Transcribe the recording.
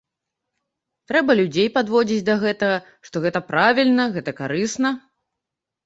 Трэба людзей падводзіць да гэтага, што гэта правільна, гэта карысна.